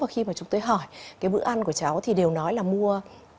khi mà chúng tôi hỏi cái bữa ăn của cháu thì đều nói là mua